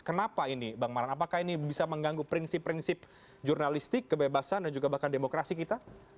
kenapa ini bang maran apakah ini bisa mengganggu prinsip prinsip jurnalistik kebebasan dan juga bahkan demokrasi kita